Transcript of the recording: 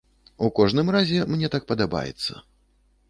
У кожным разе, мне так падабаецца.